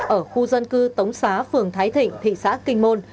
ở khu dân cư tống xá phường thái thịnh thị xã kinh môn